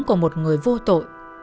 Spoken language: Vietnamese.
của một người vô tội